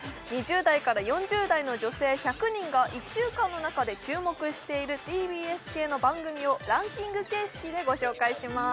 ２０代から４０代の女性１００人が１週間の中で注目しているＴＢＳ系の番組をランキング形式でご紹介します